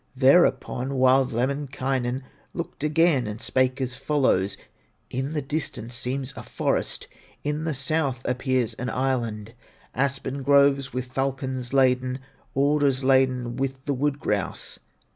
Thereupon wild Lemminkainen Looked again and spake as follows: "In the distance seems a forest, In the south appears an island, Aspen groves with falcons laden, Alders laden with the wood grouse."